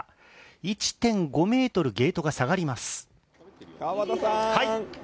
１．５ｍゲートが下がります。